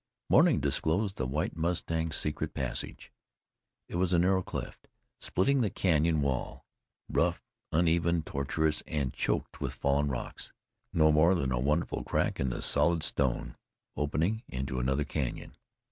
Morning disclosed the White Mustang's secret passage. It was a narrow cleft, splitting the canyon wall, rough, uneven, tortuous and choked with fallen rocks no more than a wonderful crack in solid stone, opening into another canyon.